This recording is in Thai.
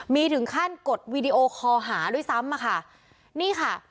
มีถึงขั้นกดวีดีโอคอหาด้วยซ้ำอะค่ะนี่ค่ะ